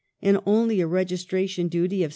and only a registration duty of 6d.